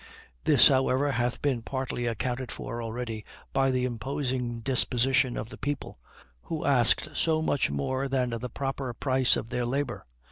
This, however, hath been partly accounted for already by the imposing disposition of the people, who asked so much more than the proper price of their labor.